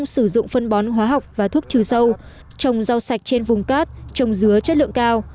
sử dụng phân bón hóa học và thuốc trừ sâu trồng rau sạch trên vùng cát trồng dứa chất lượng cao